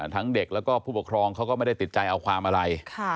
ทั้งเด็กแล้วก็ผู้ปกครองเขาก็ไม่ได้ติดใจเอาความอะไร